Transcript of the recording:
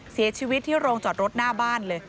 เสียชีวิตที่โรงจอดรถหน้าบ้านเลย